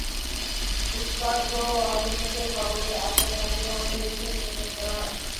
পুষ্পার্ঘ্য অর্পণ শেষে সকলের আত্মার শান্তি কামনা করে বিশেষ মোনাজাত করা হয়।